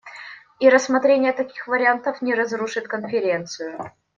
И рассмотрение таких вариантов не разрушит Конференцию.